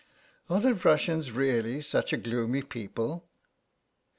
"Are the Russians really such a gloomy people?"